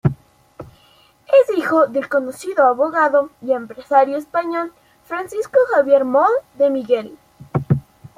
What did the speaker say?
Es hijo del conocido abogado y empresario español Francisco Javier Moll de Miguel.